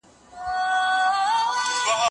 صدقه د ایمان برخه ده.